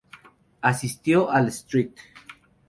Asistió al St.